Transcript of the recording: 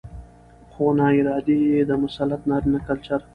؛ خو ناارادي يې د مسلط نارينه کلچر